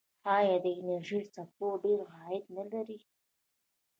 آیا د انرژۍ سکتور ډیر عاید نلري؟